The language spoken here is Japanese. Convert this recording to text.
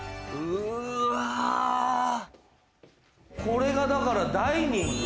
これがだからダイニング？